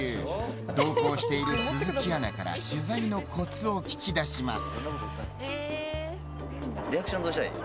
同行している鈴木アナから取材のコツを聞き出します。